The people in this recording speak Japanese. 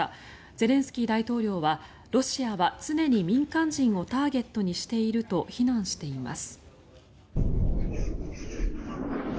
ゼレンスキー大統領はロシアは常に民間人をターゲットにしていると非難しています。